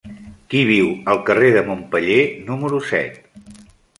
Qui viu al carrer de Montpeller número set?